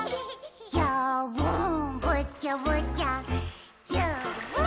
「じゃぶーんぶじゃぶじゃじゃぶーん」